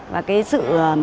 và cái sự